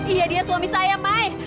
ia dia suami saya pak